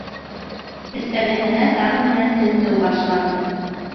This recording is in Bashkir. Иртәгәһенә таң менән тентеү башланды.